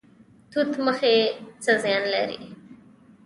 توت مخي څه زیان لري؟